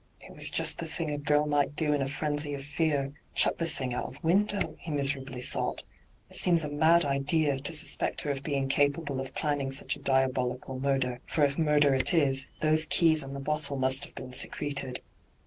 ' It was just the thing a girl might do in a frenzy of fear — chuck the thing out of window,' he miserably thought. ' It seems a mad idea, to suspect her of being capable of planning such a diabolical murder ; for if murder it is, those keys and the bottle must have been secreted.